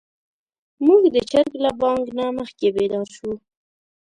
موږ د چرګ له بانګ نه مخکې بيدار شوو.